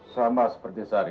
sama seperti sari